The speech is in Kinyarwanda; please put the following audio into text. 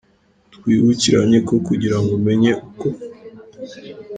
Twibukiranye ko kugira ngo umenye uko